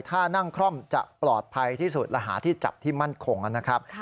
ถ้านั่งคล่อมจะปลอดภัยที่สุดและหาที่จับที่มั่นคงนะครับ